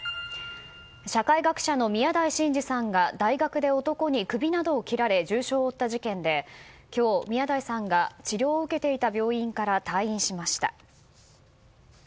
社会学者の宮台真司さんが大学で男に首などを切られ重傷を負った事件で今日、宮台さんが治療を受けていた病院から退院しました。